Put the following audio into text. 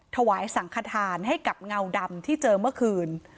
ถวายสังขทานให้กับเงาดำที่เจอเมื่อคืน